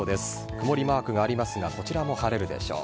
曇りマークがありますがこちらも晴れるでしょう。